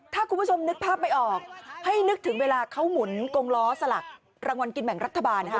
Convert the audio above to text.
ถ้าคุณผู้ชมนึกภาพไม่ออกให้นึกถึงเวลาเขาหมุนกงล้อสลักรางวัลกินแบ่งรัฐบาลนะคะ